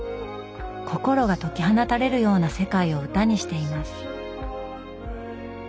心が解き放たれるような世界を歌にしています。